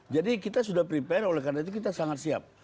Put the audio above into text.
jadi kita sudah prepare oleh karena itu kita sangat siap